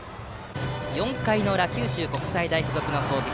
４回の裏、九州国際大付属の攻撃。